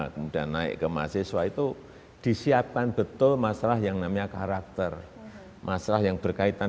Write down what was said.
kemudian naik ke mahasiswa itu disiapkan betul masalah yang namanya karakter masalah yang berkaitan